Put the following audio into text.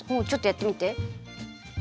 ちょっとやってみて。